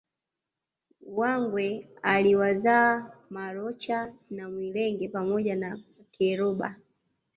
Wangwe aliwazaa Moracha na Mwirege pamoja na Keroba